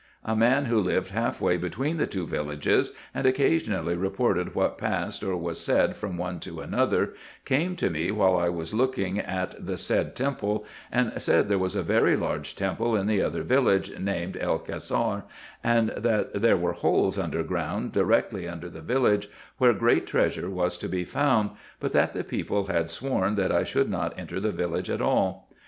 A man who lived halfway between the two villages, and occasionally reported what passed or was said from one to another, came to me while I was looking at the said temple, and said there was a very large temple in the other village, named El Cassar, and that there were holes under ground, directly under the village, where great treasure was to be found, but that the people had sworn that I should not enter the village at all.